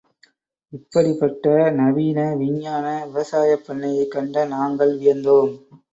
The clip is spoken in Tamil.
இப்படிப்பட்ட நவீன விஞ்ஞான விவசாயப் பன்னையைக் கண்ட நாங்கள் வியந்தோம்.